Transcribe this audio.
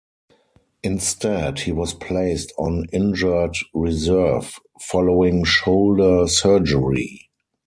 Instead, he was placed on injured reserve following shoulder surgery.